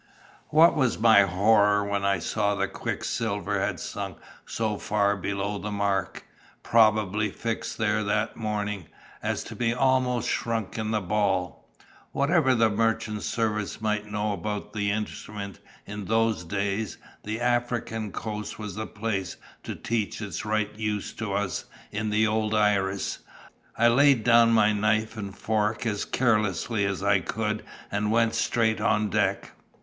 "What was my horror when I saw the quicksilver had sunk so far below the mark, probably fixed there that morning, as to be almost shrunk in the ball! Whatever the merchant service might know about the instrument in those days, the African coast was the place to teach its right use to us in the old Iris. I laid down my knife and fork as carelessly as I could, and went straight on deck.